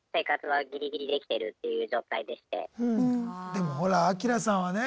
でもほらアキラさんはね